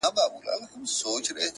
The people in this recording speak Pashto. لکه ګُل د کابل حورو به څارلم،